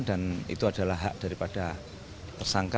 dan itu adalah hak daripada tersangka